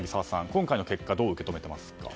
今回の結果はどう受け止めていますか？